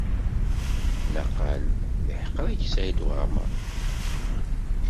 Naqal yeḥqer-ik Saɛid Waɛmaṛ.